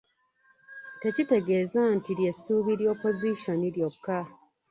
Tekitegeeza nti lye ssuubi lya Opozisoni lyokka.